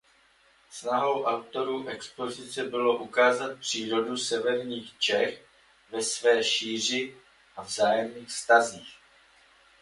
Snahou autorů expozice bylo ukázat přírodu severních Čech ve své šíři a vzájemných vztazích.